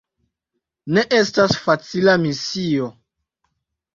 Ne estas facila misio!